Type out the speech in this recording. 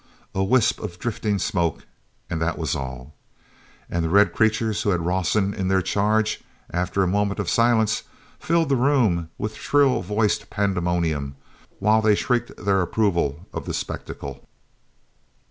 A wisp of drifting smoke, and that was all. And the red creatures who had Rawson in their charge, after a moment of silence, filled the room with shrill voiced pandemonium, while they shrieked their approval of the spectacle.